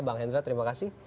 bang hendra terima kasih